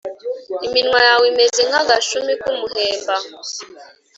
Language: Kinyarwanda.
Iminwa yawe imeze nk’agashumi k’umuhemba,